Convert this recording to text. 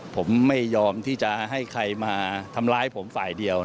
ผมไม่ยอมที่จะให้ใครมาทำร้ายผมฝ่ายเดียว